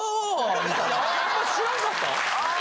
あんまり知らんかった？